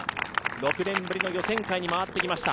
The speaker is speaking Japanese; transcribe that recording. ６年ぶりの予選会に回ってきました。